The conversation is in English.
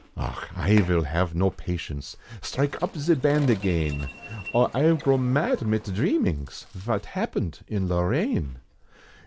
Auch! I vill have no patience. Strike up ze Band again, Or I grow mad mit dhreamings, vot happened in Lorraine!